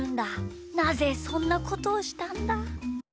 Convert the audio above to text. なぜそんなことをしたんだ！？